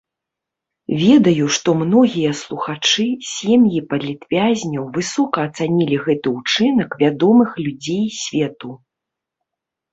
Ведаю, што многія слухачы, сем'і палітвязняў высока ацанілі гэты ўчынак вядомых людзей свету.